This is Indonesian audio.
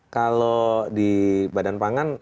kalau di badan pangan